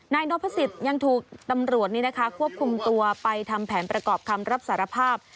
นายนพสิทธิ์ยังถูกตำรวจควบคุมตัวไปทำแผนประกอบคำรับสารภาพ